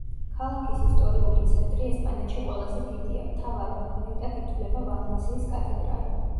ქალაქის ისტორიული ცენტრი ესპანეთში ყველაზე დიდია; მთავარ მონუმენტად ითვლება ვალენსიის კათედრალი.